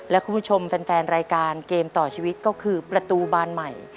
และคุณผู้ชมแฟนรายการเกมต่อชีวิตก็คือประตูบานใหม่